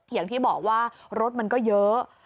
อย่างที่บอกว่ารถมันก็เยอะ